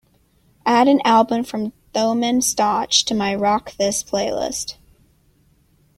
Add an album from Thomen Stauch to my Rock This playlist.